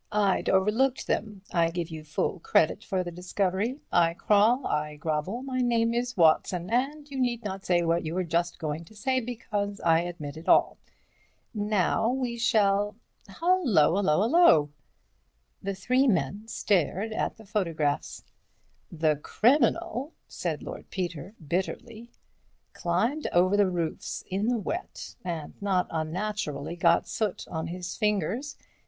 I'd overlooked them; I give you full credit for the discovery, I crawl, I grovel, my name is Watson, and you need not say what you were just going to say, because I admit it all. Now we shall—Hullo, hullo, hullo!" The three men stared at the photographs. "The criminal," said Lord Peter, bitterly, "climbed over the roofs in the wet and not unnaturally got soot on his fingers.